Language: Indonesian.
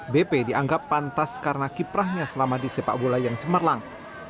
bp dianggap pantas karena kiprahnya selama di sepak bola yang cemerlang